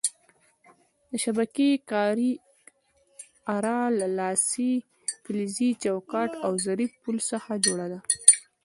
د شبکې کارۍ اره له لاسۍ، فلزي چوکاټ او ظریف پل څخه جوړه ده.